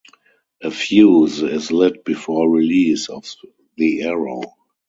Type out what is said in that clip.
A fuse is lit before release of the arrow.